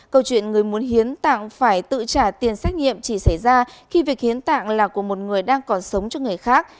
câu chuyện người muốn hiến tạng phải tự trả tiền xét nghiệm chỉ xảy ra khi việc hiến tạng là của một người đang còn sống cho người khác